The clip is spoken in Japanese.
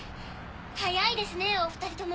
早いですねお２人とも。